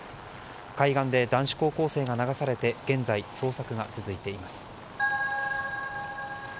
海岸で男子高校生が流されて現在、捜索が続いています。